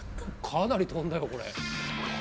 かなり飛んだよ、これ。